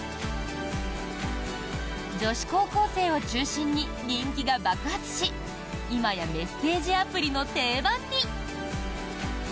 女子高校生を中心に人気が爆発し今やメッセージアプリの定番に。